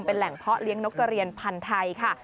เป็นแหล่งเพาะเลี้ยงนกกระเรียนพันธุ์ไทยค่ะ